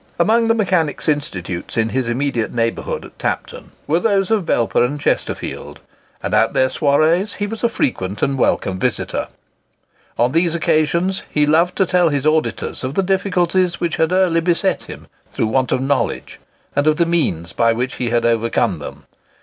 Among the Mechanics' Institutes in his immediate neighbourhood at Tapton, were those of Belper and Chesterfield; and at their soirées he was a frequent and a welcome visitor. On these occasions he loved to tell his auditors of the difficulties which had early beset him through want of knowledge, and of the means by which he had overcome them.